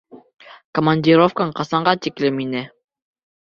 Командировкаң ҡасанға тиклем ине?